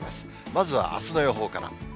まずはあすの予報から。